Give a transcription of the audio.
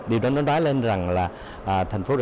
điều đó nói lên rằng là